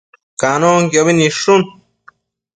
Canonquiobi nidshun